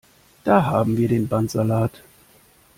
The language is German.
Da haben wir den Bandsalat!